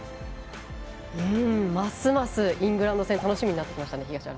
ますますイングランド戦が楽しみになってきましたね。